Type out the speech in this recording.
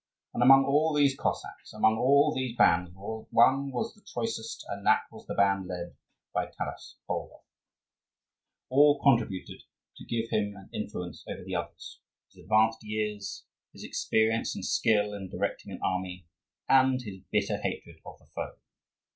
And among all these Cossacks, among all these bands, one was the choicest; and that was the band led by Taras Bulba. All contributed to give him an influence over the others: his advanced years, his experience and skill in directing an army, and his bitter hatred of the foe.